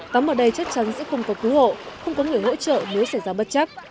tắm ở đây chắc chắn sẽ không có cứu hộ không có người hỗ trợ nếu xảy ra bất chấp